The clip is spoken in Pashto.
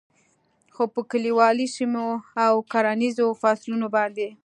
خو په کلیوالي سیمو او کرهنیزو فصلونو باندې